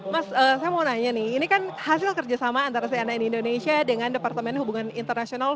mas saya mau nanya nih ini kan hasil kerjasama antara cnn indonesia dengan departemen hubungan internasional